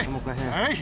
はい。